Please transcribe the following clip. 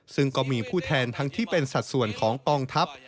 ซึ่งก็มีผู้แทนทั้งที่เป็นสัดส่วนของกองทัพ